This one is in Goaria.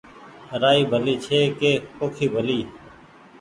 رآئي ڀلي ڇي ڪي پوکي ڀلي